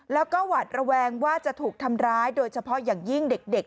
แล้วก็หวัดระแวงว่าจะถูกทำร้ายโดยเฉพาะอย่างยิ่งเด็ก